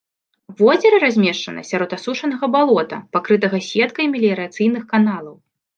Возера размешчана сярод асушанага балота, пакрытага сеткай меліярацыйных каналаў.